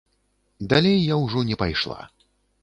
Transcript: Далей я ўжо не пайшла.